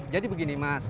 jadi begini mas